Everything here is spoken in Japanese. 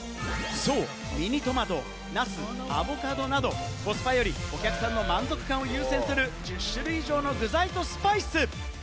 ミニトマト、ナス、アボカドなど、コスパよりお客さんの満足感を優先する、１０種類以上の具材とスパイス。